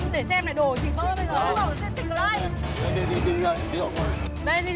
để xem này đồ chị vỡ bây giờ